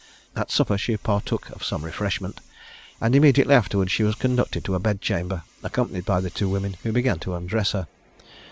At supper she partook of some refreshment; and immediately afterwards she was conducted to a bedchamber, accompanied by the two women, who began to undress her.